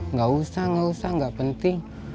nggak usah nggak usah nggak penting